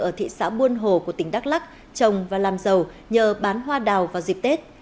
ở thị xã buôn hồ của tỉnh đắk lắc trồng và làm giàu nhờ bán hoa đào vào dịp tết